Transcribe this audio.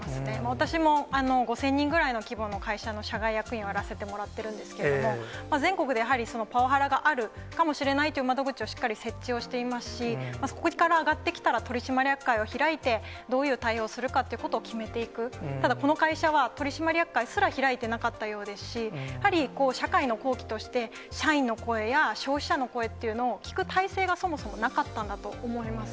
私も５０００人ぐらいの規模の会社の社外役員をやらせてもらっているんですけれども、全国でやはり、パワハラがあるかもしれないという窓口をしっかり設置をしていますし、そこから上がってきたら、取締役会を開いて、どういう対応するかということを決めていく、ただこの会社は、取締役会すら開いてなかったようですし、やはり社会のこうきとして、社員の声や消費者の声っていうのを聞く体制がそもそもなかったんだと思います。